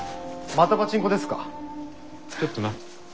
ちょっとな。